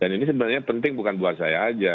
ini sebenarnya penting bukan buat saya aja